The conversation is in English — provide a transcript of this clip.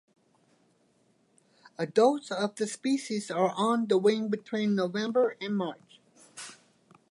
Adults of the species are on the wing between November and March.